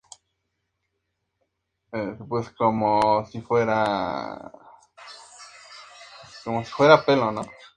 En cada capítulo, tres famosos se presentarán en dos ocasiones.